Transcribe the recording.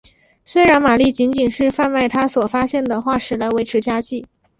虽然玛丽仅仅是贩卖她所发现的化石来维持家计。